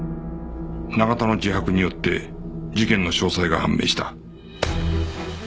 永田の自白によって事件の詳細が判明した